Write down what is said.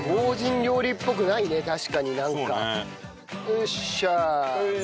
よっしゃ。